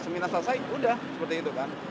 seminar selesai udah seperti itu kan